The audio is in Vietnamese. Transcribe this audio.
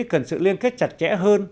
cần sự liên kết chặt chẽ hơn